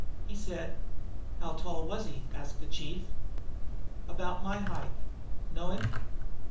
He said " "How tall was he?" asked the chief. "About my height. Know him?"